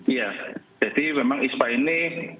iya jadi memang ispa ini